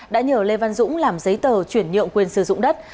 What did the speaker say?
đã nhờ lê văn dũng làm giấy tờ chuyển nhượng quyền sử dụng đất